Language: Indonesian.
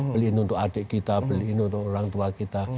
beli ini untuk adik kita beli ini untuk orang tua kita